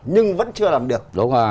nhưng vẫn chưa làm được